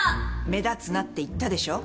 目立つなって言ったでしょ？